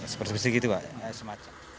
seperti seperti gitu pak